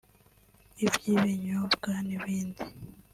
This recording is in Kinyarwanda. iby’ibinyobwa n’ibindi